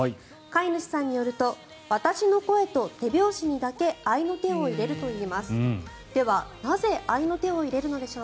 飼い主さんによると私の声と手拍子にだけ合の手を入れるといいます。